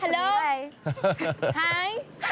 ฮัลโหลฮัลโหล